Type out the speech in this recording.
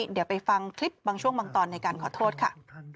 เดี๋ยวไปฟังคลิปบางช่วงบางตอนในการขอโทษค่ะ